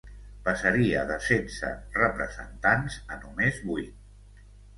Passaria de setze representants a només vuit.